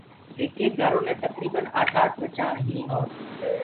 ايڪيڪ گھرو مي تڪريٚبن آٺ آٺ ٻچآ هين اور